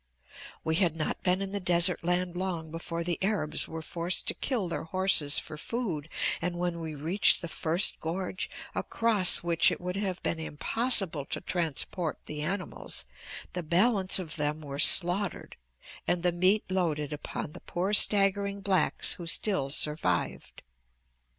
"We had not been in the desert land long before the Arabs were forced to kill their horses for food, and when we reached the first gorge, across which it would have been impossible to transport the animals, the balance of them were slaughtered and the meat loaded upon the poor staggering blacks who still survived.